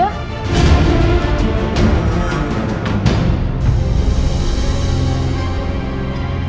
kamu kenapa mas